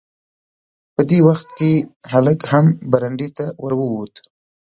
په دې وخت کې هلک هم برنډې ته ور ووت.